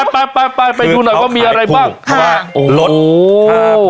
ไปไปไปไปไปดูหน่อยว่ามีอะไรบ้างคือเขาขายผู้ค่ะรถค่ะ